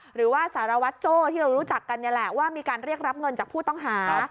หรือว่าสารวัตรโจ้ที่เรารู้จักกันนี่แหละว่ามีการเรียกรับเงินจากผู้ต้องหา